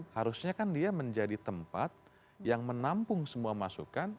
harusnya kan dia menjadi tempat yang menampung semua masukan